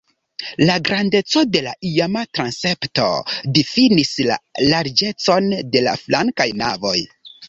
La grandeco de la iama transepto difinis la larĝecon de la flankaj navoj.